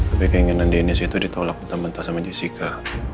tapi keinginan denise itu ditolak betul betul sama jessica